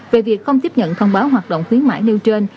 về việc không tiếp nhận thông báo hoạt động khuyến mãi nêu trên